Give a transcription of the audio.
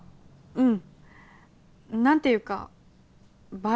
うん。